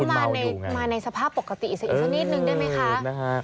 มาในสภาพปกติอีกสักอีกสักนิดนึงได้ไหมคะ